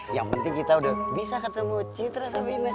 yang penting kita udah bisa ketemu citra sama ines